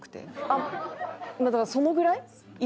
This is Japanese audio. あっまあだからそのぐらいいて。